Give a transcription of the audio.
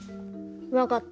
分かった。